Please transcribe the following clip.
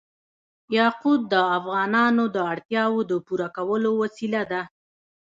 یاقوت د افغانانو د اړتیاوو د پوره کولو وسیله ده.